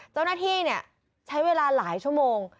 เจ้าหน้าที่ใช้เวลาหลายชั่วโมง